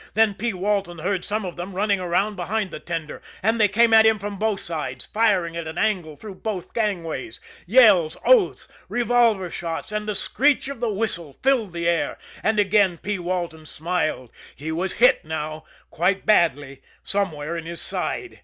Then P. Walton heard some of them running around behind the tender, and they came at him from both sides, firing at an angle through both gangways. Yells, oaths, revolver shots and the screech of the whistle filled the air and again P. Walton smiled he was hit now, quite badly, somewhere in his side.